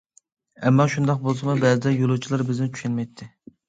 ئەمما شۇنداق بولسىمۇ، بەزىدە يولۇچىلار بىزنى چۈشەنمەيتتى.